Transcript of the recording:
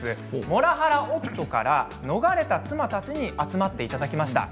モラハラ夫から逃れた妻たちに集まっていただきました。